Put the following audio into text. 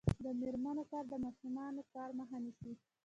د میرمنو کار د ماشوم کار مخه نیسي.